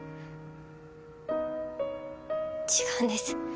違うんです